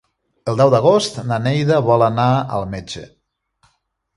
El deu d'agost na Neida vol anar al metge.